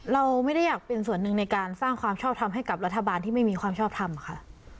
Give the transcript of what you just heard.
เราไม่ได้อยากเป็นส่วนหนึ่งในการสร้างความชอบทำให้กับรัฐบาลที่ไม่มีความชอบทำค่ะ